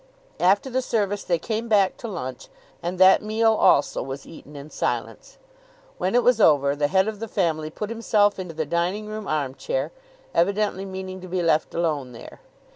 After the service they came back to lunch, and that meal also was eaten in silence. When it was over the head of the family put himself into the dining room arm chair, evidently meaning to be left alone there.